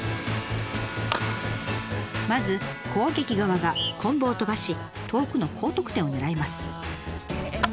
まず攻撃側がこん棒を飛ばし遠くの高得点を狙います。